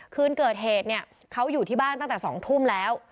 คืนเกิดเหตุเนี่ยเขาอยู่ที่บ้านตั้งแต่๒ทุ่มแล้ว